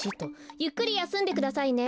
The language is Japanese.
ゆっくりやすんでくださいね。